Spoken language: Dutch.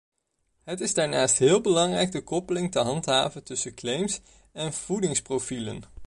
Het is daarnaast heel belangrijk de koppeling te handhaven tussen claims en voedingsprofielen.